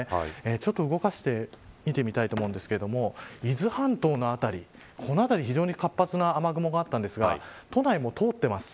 ちょっと動かして見てみたいと思いますが伊豆半島の辺りこの辺り、非常に活発な雨雲があったんですが都内も通っています。